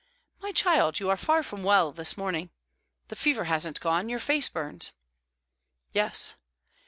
"My child, you are far from well this morning. The fever hasn't gone. Your face burns." "Yes."